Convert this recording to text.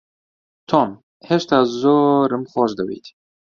تۆم، هێشتا زۆرم خۆش دەوێیت.